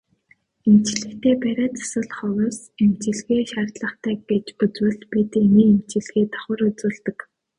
Эмчлэхдээ бариа засал ховс эмчилгээ шаардлагатай гэж үзвэл бид эмийн эмчилгээ давхар үзүүлдэг.